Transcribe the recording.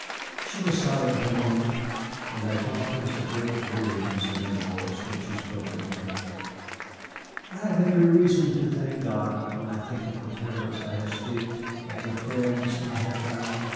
She was silent a moment, and I thought there was a great weariness in her voice when she spoke again. "I have every reason to thank God when I think of the terrors I escaped, of the friends I have found.